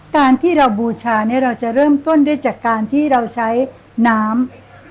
การที่เราบูชาเนี่ยเราจะเริ่มต้นด้วยจากการที่เราใช้น้ำ